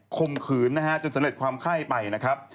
มขืนนะฮะจนสำเร็จความไข้ไปนะครับ